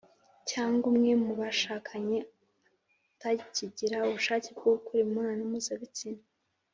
cyangwa umwe mu bashakanye atakigira ubushake bwo gukora imibonano mpuzabitsina,